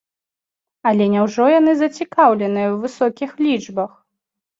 Але няўжо яны зацікаўленыя ў высокіх лічбах?